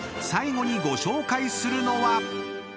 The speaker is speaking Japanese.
［最後にご紹介するのは］